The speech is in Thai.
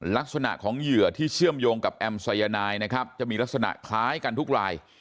ลักษณะของเหยื่อที่เชื่อมโยงกับแอมสายนายนะครับจะมีลักษณะคล้ายกันทุกราย